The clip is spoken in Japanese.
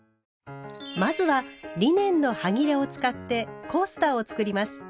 まずはリネンのはぎれを使って「コースター」を作ります。